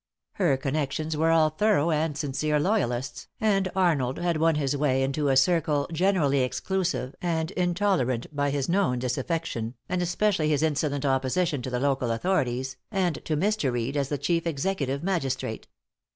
Her connections were all thorough and sincere loyalists, and Arnold had won his way into a circle generally exclusive and intolerant by his known disaffection, and especially his insolent opposition to the local authorities, and to Mr. Reed as the chief executive magistrate.